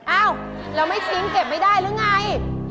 อ้าวแล้วไม่ทิ้งเก็บไม่ได้หรือไง